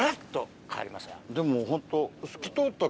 でもホント。